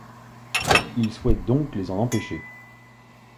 Il souhaite donc les en empêcher.